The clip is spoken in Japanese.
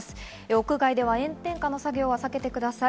屋外では炎天下の作業は避けてください。